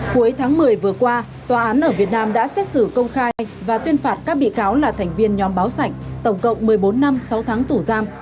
cuối tháng một mươi vừa qua tòa án ở việt nam đã xét xử công khai và tuyên phạt các bị cáo là thành viên nhóm báo sảnh tổng cộng một mươi bốn năm sáu tháng tù giam